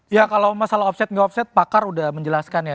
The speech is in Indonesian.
ya kalau masalah offside enggak offside pakar udah menjelaskan ya